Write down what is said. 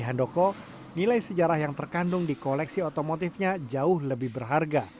handoko nilai sejarah yang terkandung di koleksi otomotifnya jauh lebih berharga